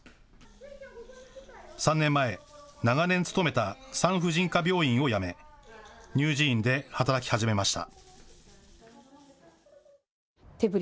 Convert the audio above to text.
３年前、長年勤めた産婦人科病院を辞め、乳児院で働き始めました。